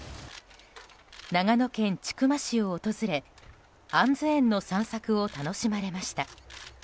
長野県千曲市を訪れアンズ園の散策を楽しまれました。